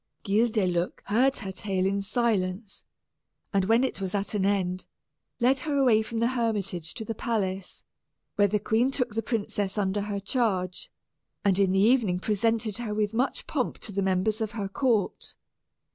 Guildeluec heard her tale in silence, and when it was at an end, led her away from the hermitage to the palace, where the queen took the princess under her charge, and in the evening presented her with much pomp to the members of her court.